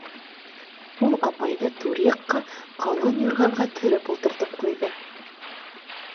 Ул апайҙы түр яҡҡа ҡа лын юрғанға төрөп ултыртып ҡуйҙы